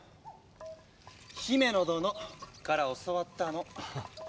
ヒメノ殿から教わったの。